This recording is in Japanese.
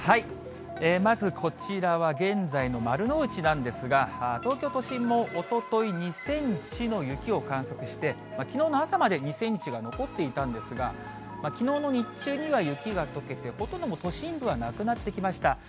まずこちらは現在の丸の内なんですが、東京都心もおととい、２センチの雪を観測して、きのうの朝まで２センチが残っていたんですが、きのうの日中には雪がとけて、ほとんどもう都心部はなくなってきました。